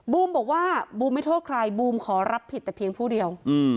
บอกว่าบูมไม่โทษใครบูมขอรับผิดแต่เพียงผู้เดียว